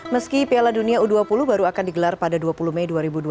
meski piala dunia u dua puluh baru akan digelar pada dua puluh mei dua ribu dua puluh